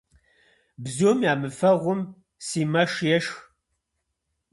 Бзум ямыфэгъум си мэш ешх.